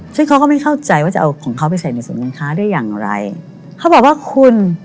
ซึ่งเขาก็ไม่เข้าใจว่าจะเอาของเขาไปใส่ในศูนย์การค้าได้อย่างไรเขาบอกว่าคุณ